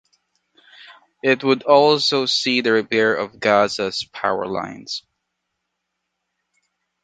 It would also see the repair of Gaza’s power lines.